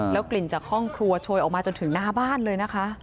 กลิ่นจากห้องครัวโชยออกมาจนถึงหน้าบ้านเลยนะคะ